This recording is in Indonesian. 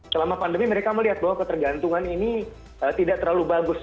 selama pandemi mereka melihat bahwa ketergantungan ini tidak terlalu bagus